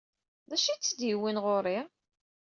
D acu ay tt-id-yewwin ɣer-i?